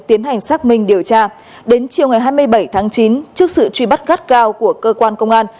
tiến hành xác minh điều tra đến chiều ngày hai mươi bảy tháng chín trước sự truy bắt gắt gao của cơ quan công an